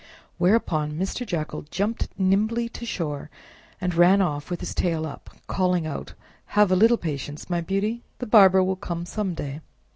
Whereupon Mr. Jackal jumped nimbly to shore, and ran off with his tail up, calling out, "Have a little patience, my beauty! The barber will come some day!"